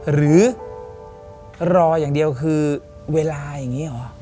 หรือรออย่างเดียวคือเวลาอย่างนี้หรอ